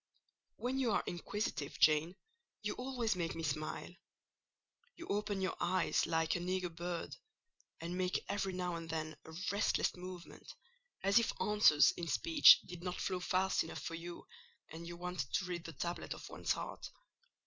"When you are inquisitive, Jane, you always make me smile. You open your eyes like an eager bird, and make every now and then a restless movement, as if answers in speech did not flow fast enough for you, and you wanted to read the tablet of one's heart.